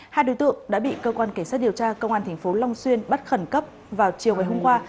hai đối tượng đã bị cơ quan cảnh sát điều tra công an thành phố long xuyên bắt khẩn cấp vào chiều ngày hôm qua